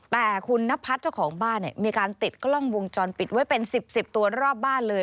แต่คุณนพัฒน์เจ้าของบ้านเนี่ยมีการติดกล้องวงจรปิดไว้เป็น๑๐ตัวรอบบ้านเลย